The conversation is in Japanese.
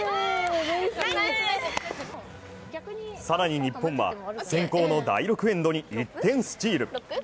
更に日本は先攻の第６エンドに１点スチール。